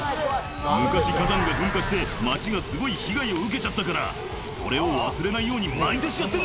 「昔火山が噴火して町がすごい被害を受けちゃったからそれを忘れないように毎年やってんだ」